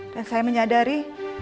dan saya menyadari